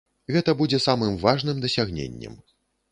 Гэта будзе самым важным дасягненнем.